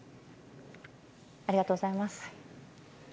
ありがとうございます。